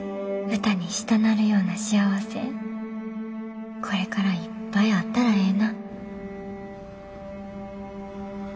歌にしたなるような幸せこれからいっぱいあったらええな。